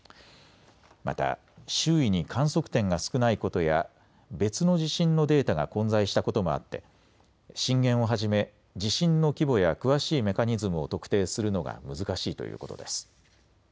また周囲に観測点が少ないことや別の地震のデータが混在したこともあって震源をはじめ地震の規模や詳しいメカニズムを特定するのが難しいということです。